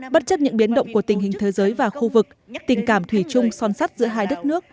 bất chấp những biến động của tình hình thế giới và khu vực tình cảm thủy chung son sắt giữa hai đất nước